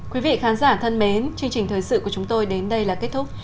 quý vị khán giả thân mến chương trình thời sự của chúng tôi đến đây là kết thúc